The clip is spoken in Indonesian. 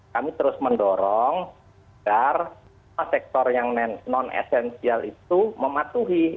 kami terus mendorong agar sektor yang non esensial itu mematuhi